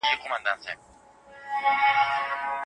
موږ ځینې شیان ناروغ کوونکي ګڼو.